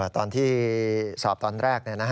ตอนที่สอบตอนแรก